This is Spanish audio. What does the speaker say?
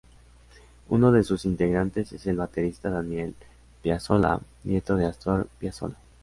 Uno de sus integrantes es el baterista Daniel Piazzolla, nieto de Astor Piazzolla.